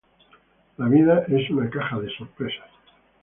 La vida es una caja de bombones